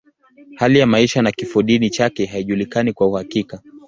Hali ya maisha na kifodini chake haijulikani kwa uhakika.